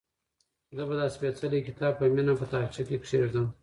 زه به دا سپېڅلی کتاب په مینه په تاقچه کې کېږدم.